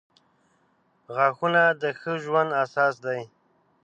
• غاښونه د ښه ژوند اساس دي.